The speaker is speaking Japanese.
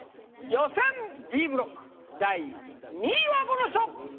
予選Ｂブロック第２位はこの人！